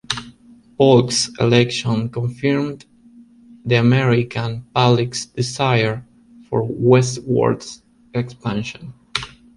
Polk's election confirmed the American public's desire for westward expansion.